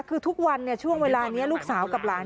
คือทุกวันช่วงเวลานี้ลูกสาวกับหลาน